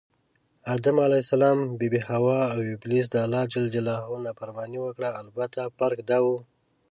آدم ع، بي بي حوا اوابلیس دالله ج نافرماني وکړه البته فرق دا و